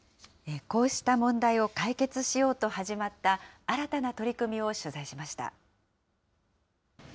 こうした問題を解決しようと始まった新たな取り組みを取材しました。